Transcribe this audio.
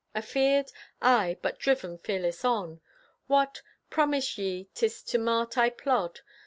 Afeared? Aye, but driven fearless on! What! Promise ye 'tis to mart I plod?